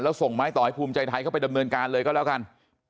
แล้วส่งไม้ต่อให้ภูมิใจไทยเข้าไปดำเนินการเลยก็แล้วกัน